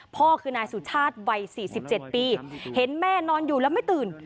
พ่อคือนายสุชาติวัย๔๗ปีเห็นแม่นอนอยู่แล้วไม่ตื่น